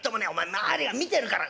周りが見てるから」。